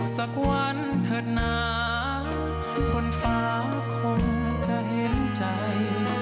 สักวันเถิดหนาคนฟ้าคนจะเห็นใจ